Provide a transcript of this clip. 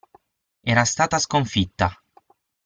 Era stata sconfitta.